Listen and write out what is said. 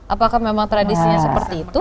apakah memang tradisinya seperti itu